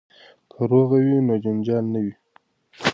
که روغه وي نو جنجال نه وي.